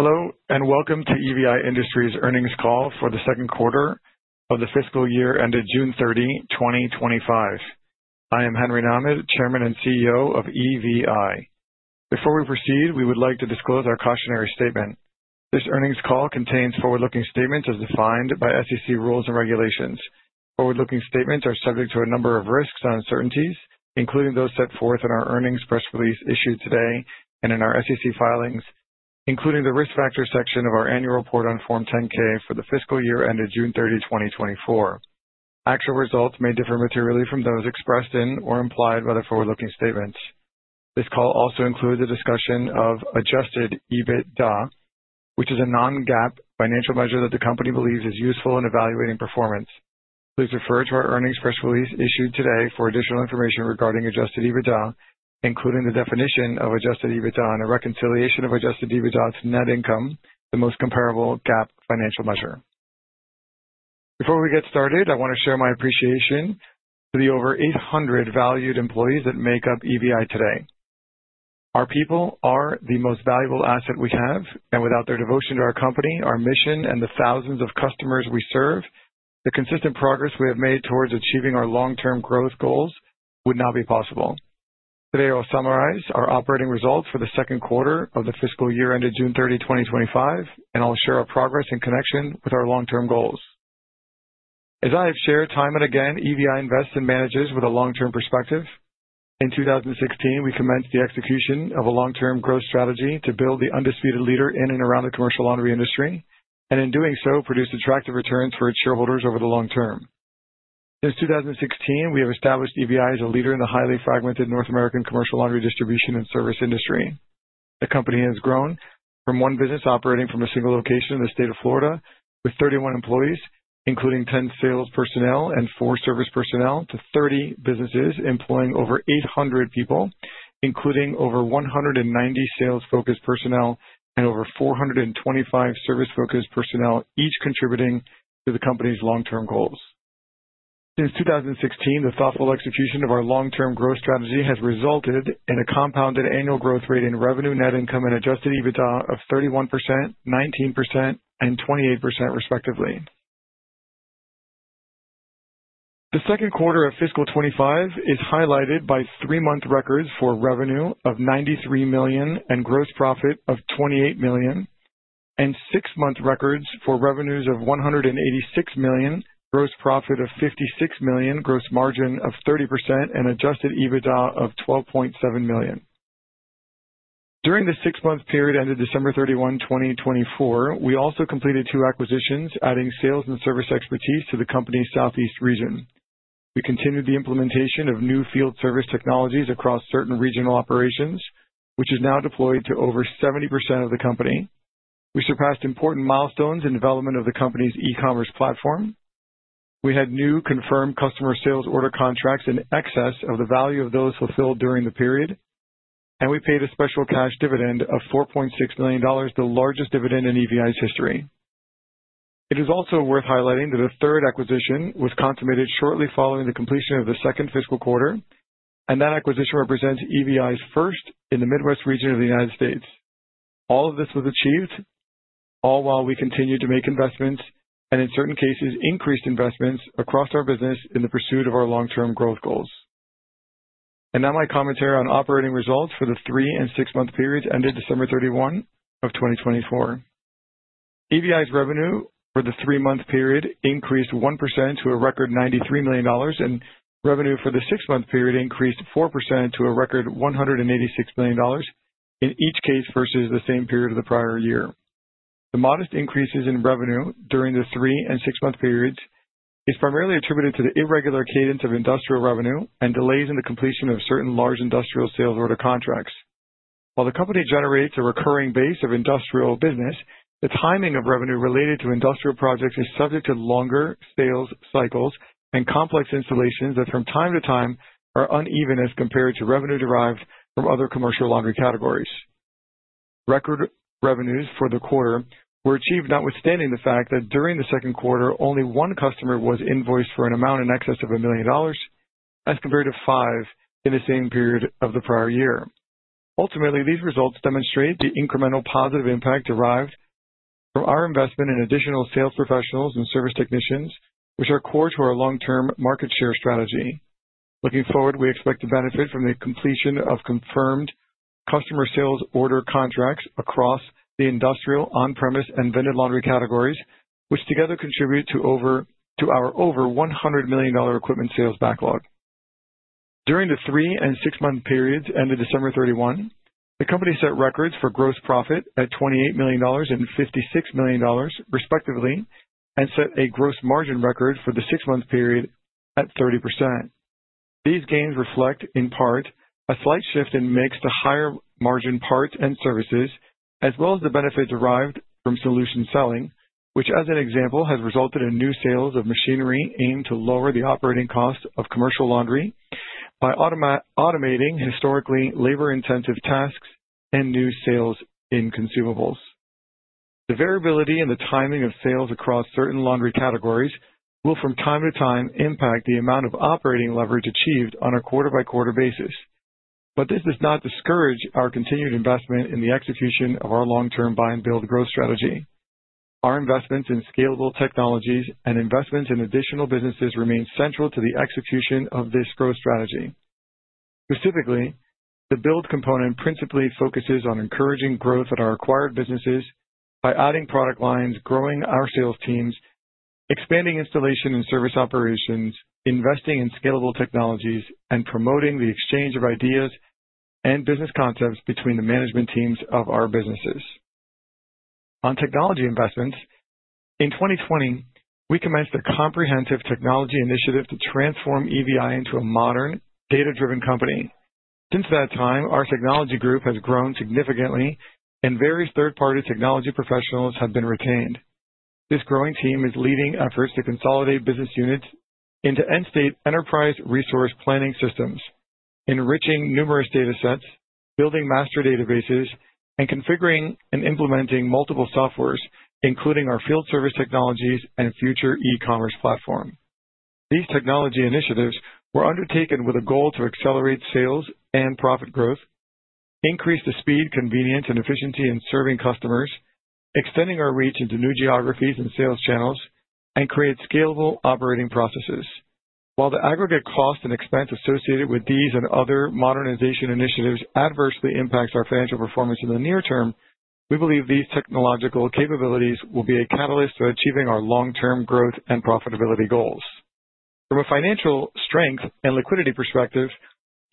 Hello, and welcome to EVI Industries' Earnings Call for the Second Quarter of the Fiscal Year Ended June 30, 2025. I am Henry Nahmad, Chairman and CEO of EVI. Before we proceed, we would like to disclose our cautionary statement. This earnings call contains forward-looking statements as defined by SEC rules and regulations. Forward-looking statements are subject to a number of risks and uncertainties, including those set forth in our earnings press release issued today and in our SEC filings, including the risk factor section of our annual report on Form 10-K for the fiscal year ended June 30, 2024. Actual results may differ materially from those expressed in or implied by the forward-looking statements. This call also includes a discussion of adjusted EBITDA, which is a non-GAAP financial measure that the company believes is useful in evaluating performance. Please refer to our earnings press release issued today for additional information regarding adjusted EBITDA, including the definition of adjusted EBITDA and a reconciliation of adjusted EBITDA to net income, the most comparable GAAP financial measure. Before we get started, I want to share my appreciation to the over 800 valued employees that make up EVI today. Our people are the most valuable asset we have, and without their devotion to our company, our mission, and the thousands of customers we serve, the consistent progress we have made towards achieving our long-term growth goals would not be possible. Today, I will summarize our operating results for the second quarter of the fiscal year ended June 30, 2025, and I'll share our progress in connection with our long-term goals. As I have shared time and again, EVI invests and manages with a long-term perspective. In 2016, we commenced the execution of a long-term growth strategy to build the undisputed leader in and around the commercial laundry industry, and in doing so, produce attractive returns for its shareholders over the long term. Since 2016, we have established EVI as a leader in the highly fragmented North American commercial laundry distribution and service industry. The company has grown from one business operating from a single location in the state of Florida with 31 employees, including 10 sales personnel and four service personnel, to 30 businesses employing over 800 people, including over 190 sales-focused personnel and over 425 service-focused personnel, each contributing to the company's long-term goals. Since 2016, the thoughtful execution of our long-term growth strategy has resulted in a compounded annual growth rate in revenue, net income, and adjusted EBITDA of 31%, 19%, and 28%, respectively. The second quarter of fiscal 25 is highlighted by three-month records for revenue of $93 million and gross profit of $28 million, and six-month records for revenues of $186 million, gross profit of $56 million, gross margin of 30%, and Adjusted EBITDA of $12.7 million. During the six-month period ended December 31, 2024, we also completed two acquisitions, adding sales and service expertise to the company's Southeast region. We continued the implementation of new field service technologies across certain regional operations, which is now deployed to over 70% of the company. We surpassed important milestones in development of the company's e-commerce platform. We had new confirmed customer sales order contracts in excess of the value of those fulfilled during the period, and we paid a special cash dividend of $4.6 million, the largest dividend in EVI's history. It is also worth highlighting that a third acquisition was consummated shortly following the completion of the second fiscal quarter, and that acquisition represents EVI's first in the Midwest region of the United States. All of this was achieved, all while we continued to make investments and, in certain cases, increased investments across our business in the pursuit of our long-term growth goals, and now my commentary on operating results for the three and six-month periods ended December 31 of 2024. EVI's revenue for the three-month period increased 1% to a record $93 million, and revenue for the six-month period increased 4% to a record $186 million, in each case versus the same period of the prior year. The modest increases in revenue during the three and six-month periods are primarily attributed to the irregular cadence of industrial revenue and delays in the completion of certain large industrial sales order contracts. While the company generates a recurring base of industrial business, the timing of revenue related to industrial projects is subject to longer sales cycles and complex installations that, from time to time, are uneven as compared to revenue derived from other commercial laundry categories. Record revenues for the quarter were achieved, notwithstanding the fact that during the second quarter, only one customer was invoiced for an amount in excess of $1 million, as compared to five in the same period of the prior year. Ultimately, these results demonstrate the incremental positive impact derived from our investment in additional sales professionals and service technicians, which are core to our long-term market share strategy. Looking forward, we expect to benefit from the completion of confirmed customer sales order contracts across the industrial, on-premise, and vended laundry categories, which together contribute to our over $100 million equipment sales backlog. During the three and six-month periods ended December 31, the company set records for gross profit at $28 million and $56 million, respectively, and set a gross margin record for the six-month period at 30%. These gains reflect, in part, a slight shift in mix to higher margin parts and services, as well as the benefit derived from solution selling, which, as an example, has resulted in new sales of machinery aimed to lower the operating cost of commercial laundry by automating historically labor-intensive tasks and new sales in consumables. The variability in the timing of sales across certain laundry categories will, from time to time, impact the amount of operating leverage achieved on a quarter-by-quarter basis. But this does not discourage our continued investment in the execution of our long-term buy-and-build growth strategy. Our investments in scalable technologies and investments in additional businesses remain central to the execution of this growth strategy. Specifically, the build component principally focuses on encouraging growth at our acquired businesses by adding product lines, growing our sales teams, expanding installation and service operations, investing in scalable technologies, and promoting the exchange of ideas and business concepts between the management teams of our businesses. On technology investments, in 2020, we commenced a comprehensive technology initiative to transform EVI into a modern, data-driven company. Since that time, our technology group has grown significantly, and various third-party technology professionals have been retained. This growing team is leading efforts to consolidate business units into end-state enterprise resource planning systems, enriching numerous data sets, building master databases, and configuring and implementing multiple softwares, including our field service technologies and future e-commerce platform. These technology initiatives were undertaken with a goal to accelerate sales and profit growth, increase the speed, convenience, and efficiency in serving customers, extending our reach into new geographies and sales channels, and create scalable operating processes. While the aggregate cost and expense associated with these and other modernization initiatives adversely impacts our financial performance in the near term, we believe these technological capabilities will be a catalyst for achieving our long-term growth and profitability goals. From a financial strength and liquidity perspective,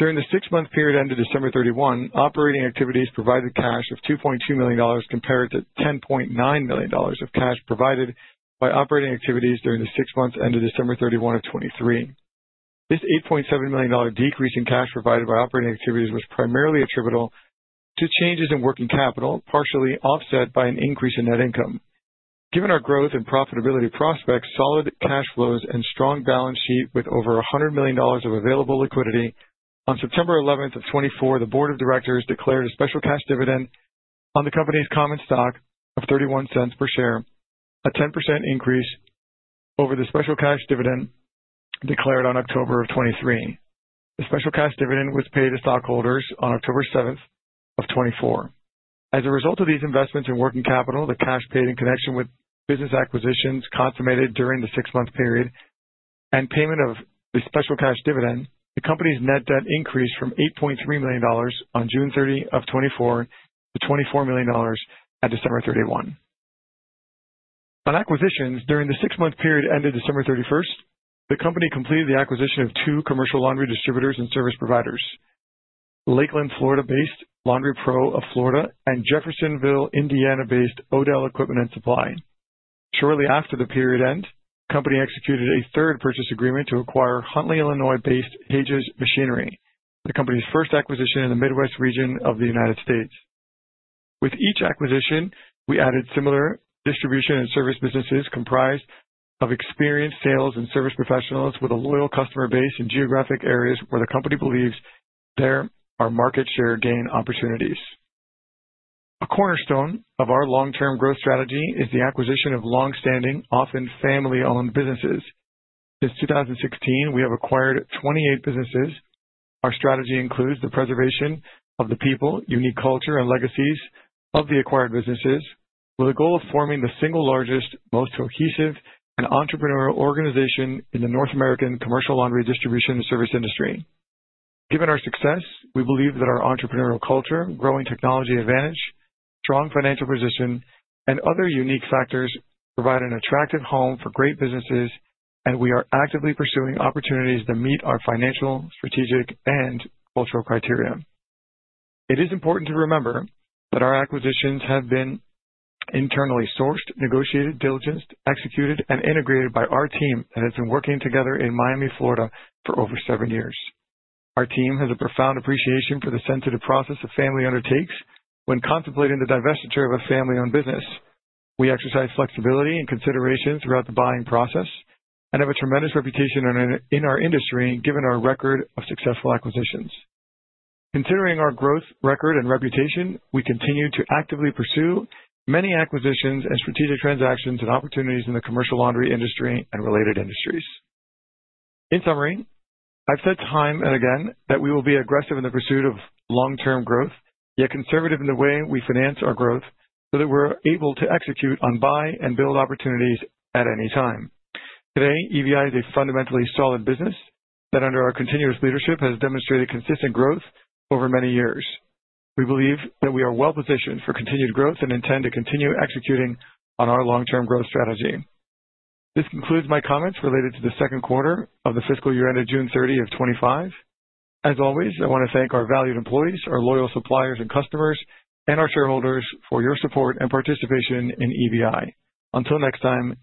during the six-month period ended December 31, operating activities provided cash of $2.2 million compared to $10.9 million of cash provided by operating activities during the six months ended December 31 of 2023. This $8.7 million decrease in cash provided by operating activities was primarily attributable to changes in working capital, partially offset by an increase in net income. Given our growth and profitability prospects, solid cash flows, and strong balance sheet with over $100 million of available liquidity, on September 11th of 2024, the board of directors declared a special cash dividend on the company's common stock of $0.31 per share, a 10% increase over the special cash dividend declared on October of 2023. The special cash dividend was paid to stockholders on October 7th of 2024. As a result of these investments in working capital, the cash paid in connection with business acquisitions consummated during the six-month period and payment of the special cash dividend, the company's net debt increased from $8.3 million on June 30, 2024 to $24 million at December 31, 2024. On acquisitions, during the six-month period ended December 31st, 2024, the company completed the acquisition of two commercial laundry distributors and service providers: Lakeland, Florida-based Laundry Pro of Florida and Jeffersonville, Indiana-based O'Dell Equipment and Supply. Shortly after the period end, the company executed a third purchase agreement to acquire Huntley, Illinois-based Haiges Machinery, the company's first acquisition in the Midwest region of the United States. With each acquisition, we added similar distribution and service businesses comprised of experienced sales and service professionals with a loyal customer base in geographic areas where the company believes there are market share gain opportunities. A cornerstone of our long-term growth strategy is the acquisition of long-standing, often family-owned businesses. Since 2016, we have acquired 28 businesses. Our strategy includes the preservation of the people, unique culture, and legacies of the acquired businesses, with a goal of forming the single largest, most cohesive, and entrepreneurial organization in the North American commercial laundry distribution and service industry. Given our success, we believe that our entrepreneurial culture, growing technology advantage, strong financial position, and other unique factors provide an attractive home for great businesses, and we are actively pursuing opportunities to meet our financial, strategic, and cultural criteria. It is important to remember that our acquisitions have been internally sourced, negotiated, diligence executed, and integrated by our team that has been working together in Miami, Florida, for over seven years. Our team has a profound appreciation for the sensitive process a family undertakes when contemplating the divestiture of a family-owned business. We exercise flexibility and consideration throughout the buying process and have a tremendous reputation in our industry, given our record of successful acquisitions. Considering our growth record and reputation, we continue to actively pursue many acquisitions and strategic transactions and opportunities in the commercial laundry industry and related industries. In summary, I've said time and again that we will be aggressive in the pursuit of long-term growth, yet conservative in the way we finance our growth so that we're able to execute on buy-and-build opportunities at any time. Today, EVI is a fundamentally solid business that, under our continuous leadership, has demonstrated consistent growth over many years. We believe that we are well-positioned for continued growth and intend to continue executing on our long-term growth strategy. This concludes my comments related to the second quarter of the fiscal year ended June 30 of 2025. As always, I want to thank our valued employees, our loyal suppliers and customers, and our shareholders for your support and participation in EVI. Until next time.